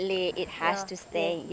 terima kasih semuanya